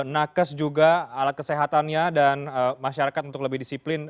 nakes juga alat kesehatannya dan masyarakat untuk lebih disiplin